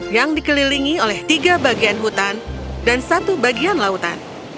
yang dikelilingi oleh tiga bagian hutan dan satu bagian lautan